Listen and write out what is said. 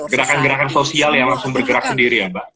gerakan gerakan sosial yang langsung bergerak sendiri ya mbak